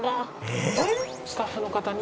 スタッフの方に？